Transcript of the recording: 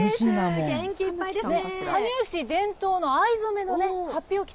元気いっぱいですね。